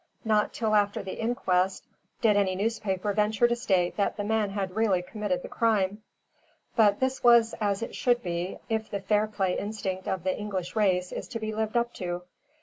Not till after the inquest did any newspaper venture to state that the man had really committed the crime. But this was as it should be, if the fair play instinct of the English race is to be lived up to.